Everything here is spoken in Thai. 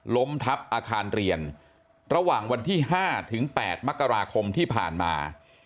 ล้มทับอาคารเรียนระหว่างวันที่๕ถึง๘มกราคมที่ผ่านมา